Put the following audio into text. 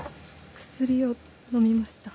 薬を飲みました。